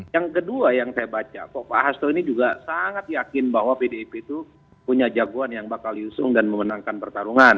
yang kedua yang saya baca kok pak hasto ini juga sangat yakin bahwa pdip itu punya jagoan yang bakal diusung dan memenangkan pertarungan